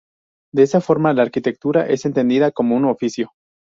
De esa forma la Arquitectura es entendida como un oficio.